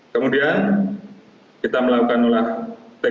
kemudian kita melakukan olah tkp